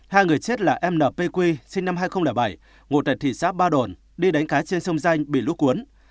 hai người chết là m n p q sinh năm hai nghìn bảy ngộ tại thị xã ba đồn đi đánh cá trên sông danh bị lũ cuốn